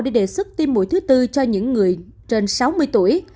để đề xuất tiêm mũi thứ tư cho những người trên sáu mươi tuổi